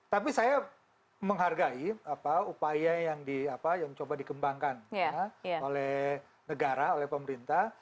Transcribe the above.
tapi saya menghargai upaya yang coba dikembangkan oleh negara oleh pemerintah